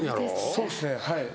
そうっすねはい。